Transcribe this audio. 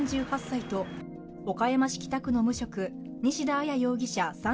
３８歳と、岡山市北区の無職、西田彩容疑者